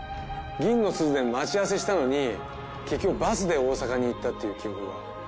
銀の鈴で待ち合わせしたのに結局バスで大阪に行ったっていう記憶が。